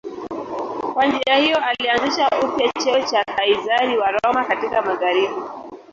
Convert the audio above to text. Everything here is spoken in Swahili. Kwa njia hiyo alianzisha upya cheo cha Kaizari wa Roma katika magharibi.